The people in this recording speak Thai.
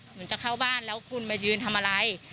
เหมือนจะเข้าบ้านแล้วคุณมายืนทำอะไร